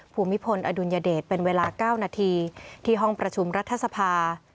ภูมิพลอดุลยเดชเป็นเวลา๙นาทีที่ห้องประชุมรัฐสภา